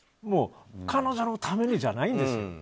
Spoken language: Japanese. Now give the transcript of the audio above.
彼女のためにじゃないんですよ。